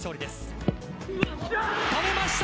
止めました。